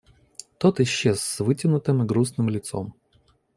Тот исчез с вытянутым и грустным лицом.